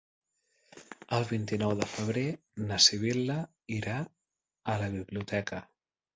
El vint-i-nou de febrer na Sibil·la irà a la biblioteca.